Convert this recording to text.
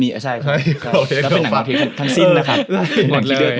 มันเป็นหนังรองเทคทั้งสิ้นนะครับ